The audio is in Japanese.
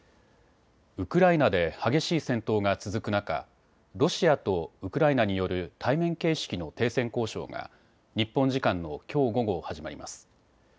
ウクライナで激しい戦闘が続く中、ロシアとウクライナによる対面形式の停戦交渉が日本時間のきょう午後、始まります。